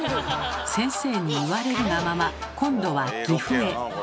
先生に言われるがまま今度は岐阜へ。